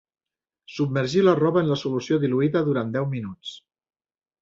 Submergir la roba en la solució diluïda durant deu minuts.